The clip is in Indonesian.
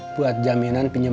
buat jaminan pinjam uang